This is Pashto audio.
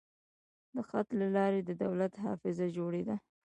د خط له لارې د دولت حافظه جوړېده.